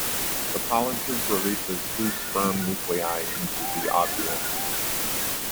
The pollen tube releases two sperm nuclei into the ovule.